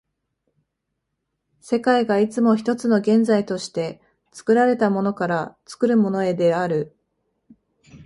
世界がいつも一つの現在として、作られたものから作るものへである。